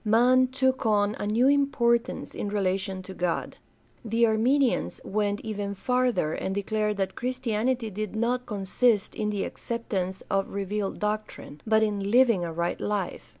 Man took on a new importance in relation to God. The Arminians went even farther and declared that Christianity did not consist in the acceptance of revealed doctrine, but in living a right life.